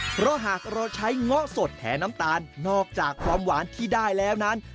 เพราะหากเราใช้เงาะสดแถน้ำตาลนอกจากความหวานที่ได้แล้วนั้น